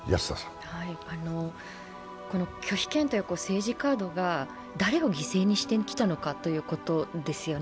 拒否権という政治カードが誰を犠牲にしてきたかということですね。